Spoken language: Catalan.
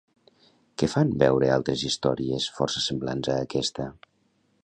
Què fan veure altres històries força semblants a aquesta?